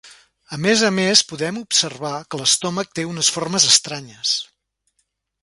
A més a més podem observar que l'estómac té unes formes estranyes.